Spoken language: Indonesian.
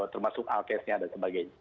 termasuk alkesnya dan sebagainya